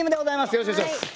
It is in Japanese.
よろしくお願いします。